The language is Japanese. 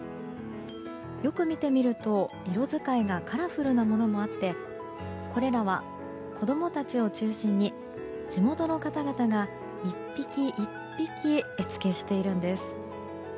よく見てみると色使いがカラフルなものもあってこれらは子供たちを中心に地元の方々が１匹１匹絵付けしているんです。